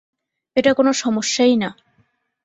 এটা কোনো সমস্যাই না।